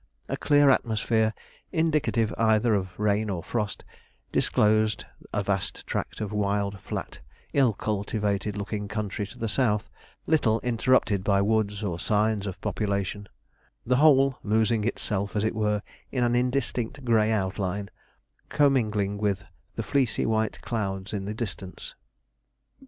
A clear atmosphere, indicative either of rain or frost, disclosed a vast tract of wild, flat, ill cultivated looking country to the south, little interrupted by woods or signs of population; the whole losing itself, as it were, in an indistinct grey outline, commingling with the fleecy white clouds in the distance.